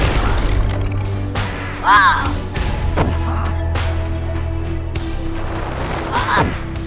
jangan lari gabung